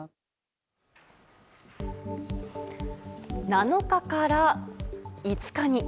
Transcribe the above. ７日から５日に。